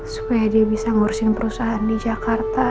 supaya dia bisa ngurusin perusahaan di jakarta